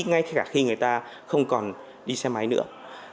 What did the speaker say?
ngay cả khi người ta không còn đi xe máy nữa